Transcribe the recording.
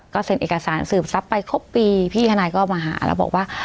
เซ็นเอกสารสืบทรัพย์ไปครบปีพี่ทนายก็มาหาแล้วบอกว่า